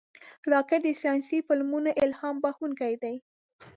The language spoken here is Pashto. راکټ د ساینسي فلمونو الهام بښونکی دی